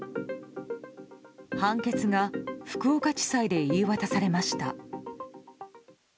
判決が福岡地裁で言い渡されました。